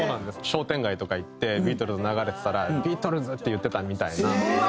商店街とか行ってビートルズが流れてたら「ビートルズ！」って言ってた。